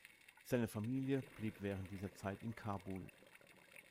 Seine Familie blieb während dieser Zeit in Kabul.